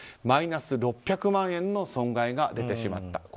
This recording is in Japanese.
マイナス６００万円の損害が出てしまった。